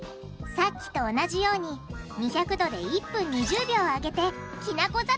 さっきと同じように２００℃で１分２０秒揚げてきな粉